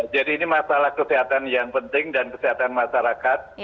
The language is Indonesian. jadi ini masalah kesehatan yang penting dan kesehatan masyarakat